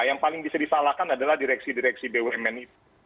yang paling bisa disalahkan adalah direksi direksi bumn itu